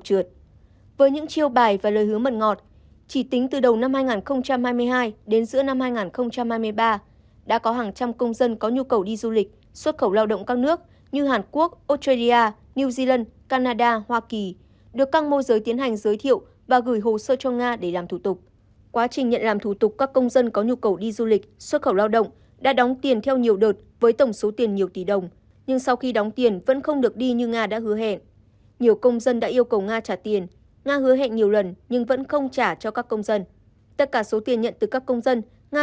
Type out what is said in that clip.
bước đầu cơ quan công an xác định chỉ tính từ đầu năm hai nghìn hai mươi hai đến giữa năm hai nghìn hai mươi ba trần thị hàng nga đã tiêm nhận hồ sơ của hơn năm trăm linh công dân tại nhiều tỉnh thành trong cả nước có nhu cầu đi du lịch xuất khẩu lao động nước ngoài được các môi giới đã giới thiệu với tổng số tiền nga nhận được từ các công dân là hơn hai mươi tỷ đồng